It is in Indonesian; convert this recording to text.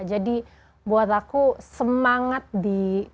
buat aku semangat di